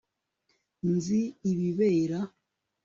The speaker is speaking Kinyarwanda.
nzi ibibera